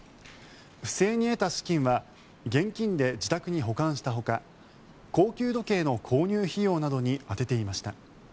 不正に得た資金は現金で自宅に保管したほか高級時計の購入費用などに充てていました。